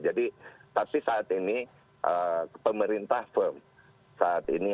jadi pasti saat ini pemerintah firm